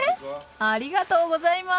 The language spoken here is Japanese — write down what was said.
ありがとうございます！